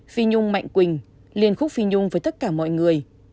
phi nhung mạnh quỳnh liên khúc phi nhung với tất cả mọi người